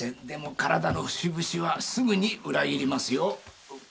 でも体の節々はすぐに裏切りますよ。